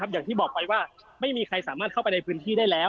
อย่างที่บอกไปว่าไม่มีใครสามารถเข้าไปในพื้นที่ได้แล้ว